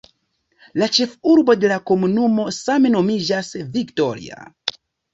La ĉefurbo de la komunumo same nomiĝas "Victoria".